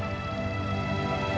nggak ada uang nggak ada uang